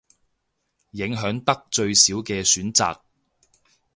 影響得最少嘅選擇